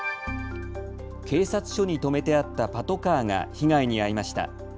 警察署に止めてあったパトカーが被害に遭いました。